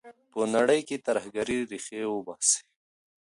په نړۍ کي د ترهګرۍ ریښې وباسئ.